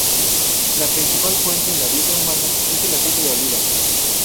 La principal fuente en la dieta humana es el aceite de oliva.